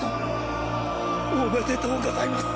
おめでとうございます